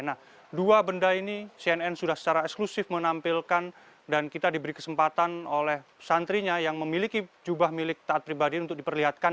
nah dua benda ini cnn sudah secara eksklusif menampilkan dan kita diberi kesempatan oleh santrinya yang memiliki jubah milik taat pribadi untuk diperlihatkan